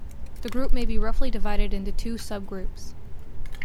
The group may be roughly divided into two subgroups.